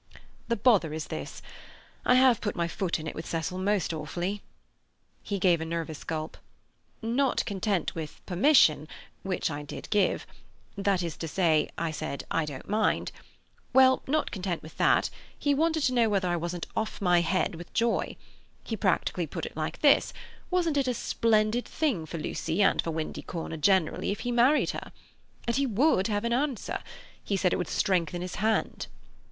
"The bother is this: I have put my foot in it with Cecil most awfully." He gave a nervous gulp. "Not content with 'permission', which I did give—that is to say, I said, 'I don't mind'—well, not content with that, he wanted to know whether I wasn't off my head with joy. He practically put it like this: Wasn't it a splendid thing for Lucy and for Windy Corner generally if he married her? And he would have an answer—he said it would strengthen his hand."